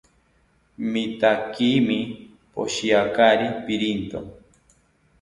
Mitaakimi poshiakari pirinto